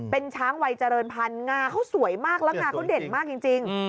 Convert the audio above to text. เป็นช้างวัยเจริญพันธ์งาเขาสวยมากแล้วงาเขาเด่นมากจริง